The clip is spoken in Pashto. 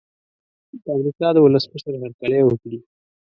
د امریکا د ولسمشر هرکلی وکړي.